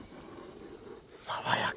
爽やか。